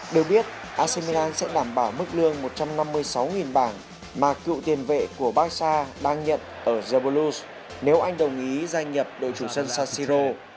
được biết ac milan sẽ đảm bảo mức lương một trăm năm mươi sáu bảng mà cựu tiền vệ của barca đang nhận ở the blues nếu anh đồng ý gia nhập đội chủ sân san siro